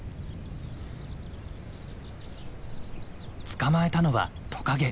捕まえたのはトカゲ。